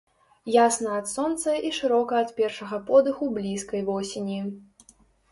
Ясна ад сонца і шырока ад першага подыху блізкай восені.